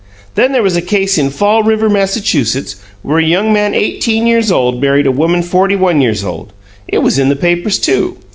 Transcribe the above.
Then there was a case in Fall River, Massachusetts, where a young man eighteen years old married a woman forty one years old; it was in the papers, too.